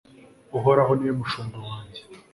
Uhoraho ni we mushumba wanjye